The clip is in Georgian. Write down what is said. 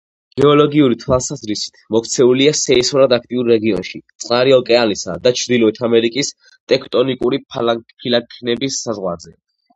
გეოლოგიური თვალსაზრისით მოქცეულია სეისმურად აქტიურ რეგიონში, წყნარი ოკეანისა და ჩრდილოეთ ამერიკის ტექტონიკური ფილაქნების საზღვარზე.